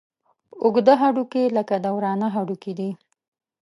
اوږده هډوکي لکه د ورانه هډوکي دي.